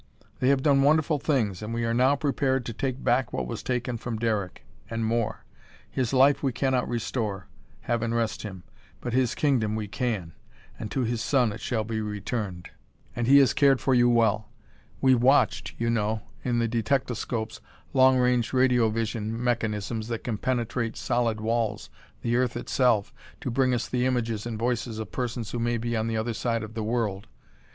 They have done wonderful things and we are now prepared to take back what was taken from Derek and more. His life we can not restore Heaven rest him but his kingdom we can. And to his son it shall be returned. "You were given into Rudolph's care when little more than a babe in arms and he has cared for you well. We've watched, you know, in the detectoscopes long range radiovision mechanisms that can penetrate solid walls, the earth itself, to bring to us the images and voices of persons who may be on the other side of the world.